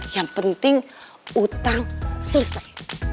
yang penting utang selesai